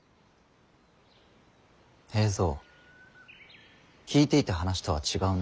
平三聞いていた話とは違うな。